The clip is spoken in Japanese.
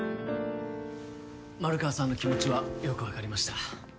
丸川さんの気持ちはよく分かりました。